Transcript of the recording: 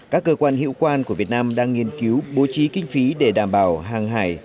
các cơ quan hiệu quan của việt nam đang nghiên cứu bố trí kinh phí để đảm bảo hàng hải